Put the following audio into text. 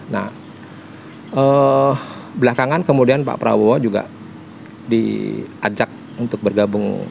nah belakangan kemudian pak prabowo juga diajak untuk bergabung